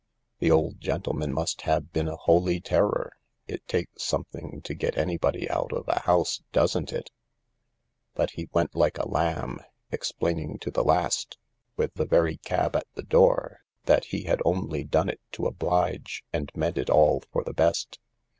The old gentleman must have been a holy terror — it takes something to get anybody out of a house, doesn't it ? But he went like a lamb, explaining to the last, with the very cab at the door, that he had only done it to oblige and meant it all for the best.